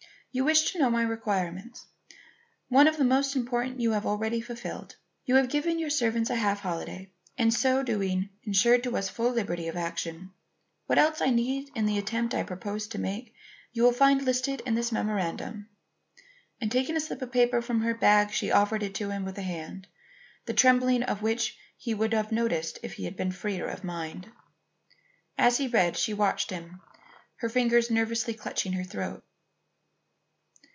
You wished to know my requirements. One of the most important you have already fulfilled. You have given your servants a half holiday and by so doing ensured to us full liberty of action. What else I need in the attempt I propose to make, you will find listed in this memorandum." And taking a slip of paper from her bag, she offered it to him with a hand, the trembling of which he would have noted had he been freer in mind. As he read, she watched him, her fingers nervously clutching her throat.